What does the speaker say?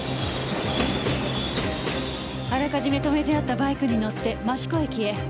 あらかじめ止めてあったバイクに乗って益子駅へ。